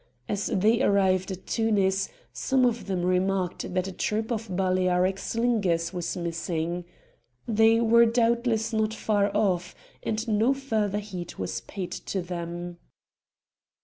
As they arrived at Tunis, some of them remarked that a troop of Balearic slingers was missing. They were doubtless not far off; and no further heed was paid to them.